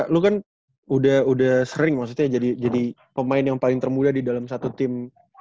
lu kan udah sering maksudnya jadi pemain yang paling termuda di dalam satu tim